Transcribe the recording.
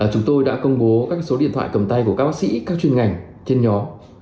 chúng tôi đã công bố các số điện thoại cầm tay của các bác sĩ các chuyên ngành trên nhóm